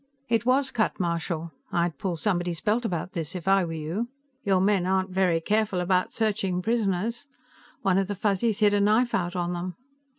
"It was cut. Marshal, I'd pull somebody's belt about this, if I were you. Your men aren't very careful about searching prisoners. One of the Fuzzies hid a knife out on them."